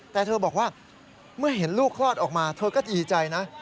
แต่เธอบอกว่าเมื่อเห็นลูกคลอดออกมาเธอก็ดีใจนะ